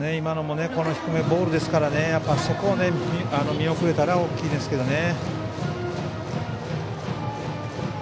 低めのボールですからそこを見送れたら大きいですけどね。